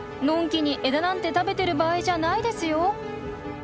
のんきに枝なんて食べてる場合じゃないですよ！